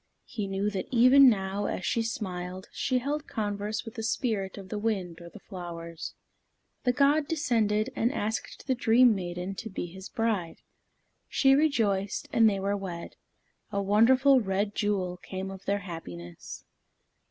He knew that even now, as she smiled, she held converse with the spirit of the wind or the flowers. The god descended and asked the dream maiden to be his bride. She rejoiced, and they were wed. A wonderful red jewel came of their happiness.